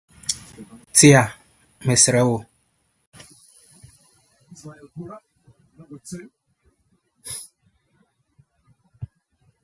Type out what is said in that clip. Tea, mɛsrɛ wo.